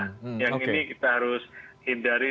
nah yang ini kita harus hindari